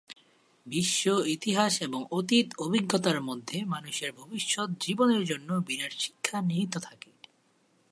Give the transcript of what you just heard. বিশ্ব-ইতিহাস এবং অতীত অভিজ্ঞতার মধ্যে মানুষের ভবিষ্যত জীবনের জন্যে বিরাট শিক্ষা নিহিত থাকে।